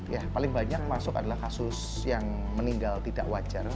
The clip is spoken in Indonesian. ya paling banyak masuk adalah kasus yang meninggal tidak wajar